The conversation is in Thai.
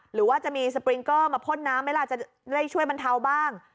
หรือว่าจะมีมาพล่นน้ำไหมล่ะจะได้ช่วยบรรเทาบ้าง